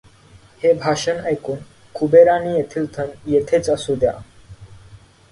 हें भाषण ऐकून कुबेरानें येथील धन येथेंच असूं द्या.